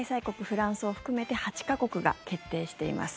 今、開催国フランスを含めて８か国が決定しています。